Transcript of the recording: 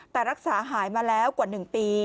แต่รักษาหายมาแล้วกว่า๑ปี